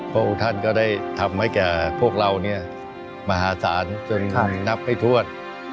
พระองค์ท่านก็ได้ทำให้แก่พวกเราเนี่ยมหาศาลจนนับไม่ทวด